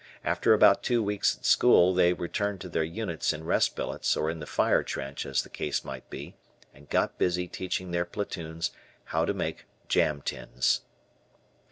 After about two weeks at school they returned to their units in rest billets or in the fire trench as the case might be and got busy teaching their platoons how to make "jam tins."